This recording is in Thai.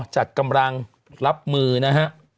จัดกำลังรับมือนะฮะ